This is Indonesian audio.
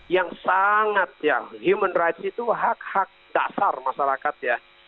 yang sangat ya human rights itu hak hak dasar masyarakat ya